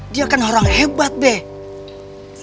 dia kan orang hebat deh